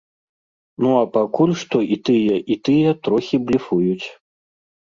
Ну а пакуль што і тыя, і тыя трохі блефуюць.